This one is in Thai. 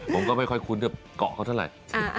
ผมก็ไม่ค่อยคุ้นจะเกาะเขาเท่าไหร่